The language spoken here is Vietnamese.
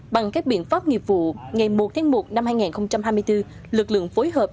bằng các biện pháp nghiệp vụ ngày một một hai nghìn hai mươi bốn lực lượng phối hợp